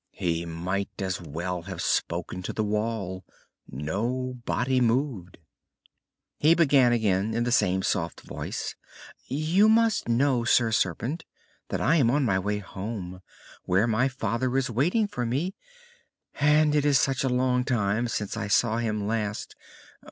He might as well have spoken to the wall. Nobody moved. He began again in the same soft voice: "You must know. Sir Serpent, that I am on my way home, where my father is waiting for me, and it is such a long time since I saw him last!